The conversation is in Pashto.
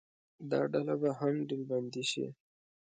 دا ډله به هم ډلبندي شي.